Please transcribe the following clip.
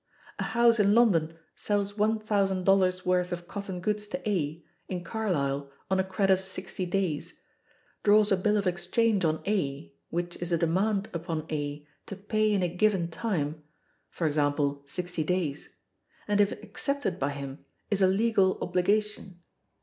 A house in London sells $1,000 worth of cotton goods to A, in Carlisle, on a credit of sixty days, draws a bill of exchange on A, which is a demand upon A to pay in a given time (e.g., sixty days), and if "accepted" by him is a legal obligation.